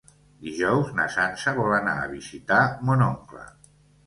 Dijous na Sança vol anar a visitar mon oncle.